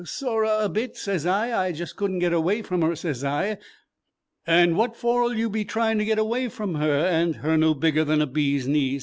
'Sorra a bit,' sez I; 'I just could n't get away from her,' sez I. 'And what for'll you be trying to get away from her, and her no bigger than a bee's knee?'